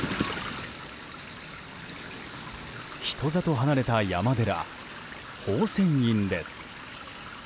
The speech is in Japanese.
人里離れた山寺、宝泉院です。